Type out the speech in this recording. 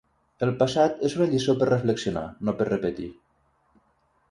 El passat és una lliçó per reflexionar, no per repetir.